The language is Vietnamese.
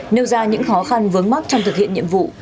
nêu ra những khó khăn vướng mắt trong thực hiện nhiệm vụ